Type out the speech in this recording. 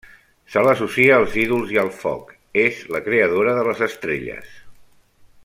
Se l'associa als ídols i al foc, és la creadora de les estrelles.